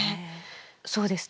そうです